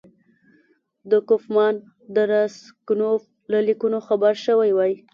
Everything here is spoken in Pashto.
د کوفمان او راسګونوف له لیکونو خبر شوی وای.